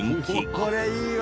これいいわ。